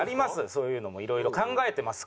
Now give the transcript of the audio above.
そういうのも色々考えてます